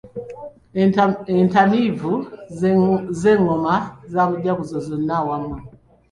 Entamiivu z’engoma za mujaguzo zonna awamu.